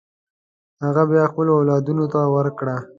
هغه بیا خپلو اولادونو ته ورکړه.